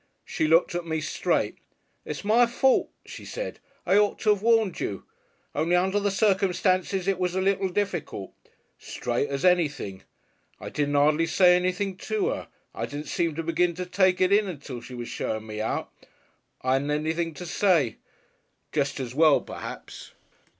She looked at me straight. 'It's my fault,' she said, 'I ought to 'ave warned you.... Only under the circumstances it was a little difficult.' Straight as anything. I didn't 'ardly say anything to 'er. I didn't seem to begin to take it in until she was showing me out. I 'adn't anything to say. Jest as well, perhaps.